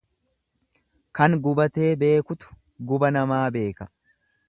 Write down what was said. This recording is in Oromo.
Kan gubatee beekutu guba namaa beeka.